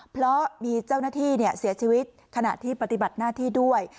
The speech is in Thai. เพราะมีเจ้าหน้าที่เสียชีวิตขณะที่ปฏิบัติหน้าที่ด้วย